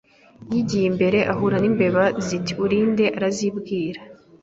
Yigiye imbere ahura n' imbeba ziti Uri nde Arazibwira